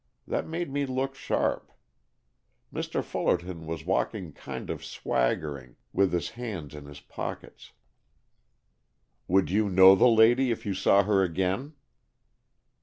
That made me look sharp. Mr. Fullerton was walking kind of swaggering, with his hands in his pockets." "Would you know the lady if you saw her again?